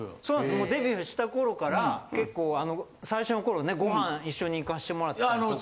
もうデビューした頃から結構最初の頃ねご飯一緒に行かして貰ったりとか。